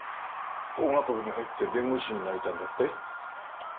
法学部に入って弁護士になりたいんだって？